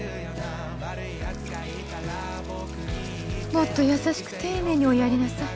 もっと優しく丁寧におやりなさい。